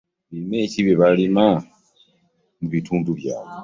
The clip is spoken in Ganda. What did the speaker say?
Birime ki bye balima mu bitundu byabwe?